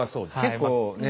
結構ね。